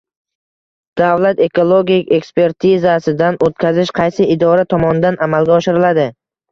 Davlat ekologik ekspertizadan o‘tkazish qaysi idora tomonidan amalga oshiriladi?